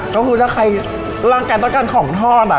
ก็คือถ้าใครร่างกายต้องการของทอด